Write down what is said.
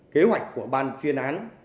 kế hoạch của ban chuyên án